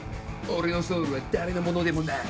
俺のソウルは誰のものでもない。